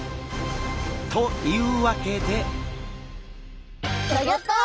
というわけで。